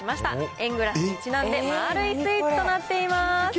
円グラフにちなんで、まーるいスイーツとなっています。